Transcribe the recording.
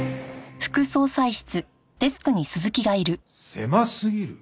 狭すぎる？